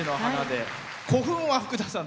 古墳は、福田さん